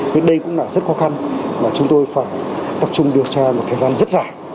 thì đây cũng là rất khó khăn mà chúng tôi phải tập trung điều tra một thời gian rất dài